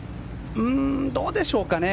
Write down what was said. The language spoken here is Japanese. どうでしょうかね。